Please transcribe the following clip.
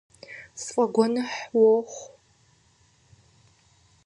СфӀэгуэныхь уохъу.